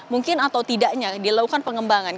mungkin atau tidaknya dilakukan pengembangan